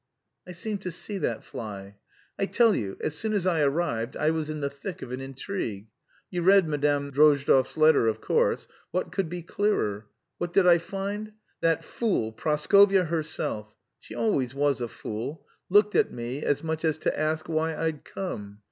"I seem to see that fly." "I tell you, as soon as I arrived I was in the thick of an intrigue. You read Madame Drozdov's letter, of course. What could be clearer? What did I find? That fool Praskovya herself she always was a fool looked at me as much as to ask why I'd come.